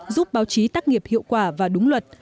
giúp báo chí tác nghiệp hiệu quả và đúng luật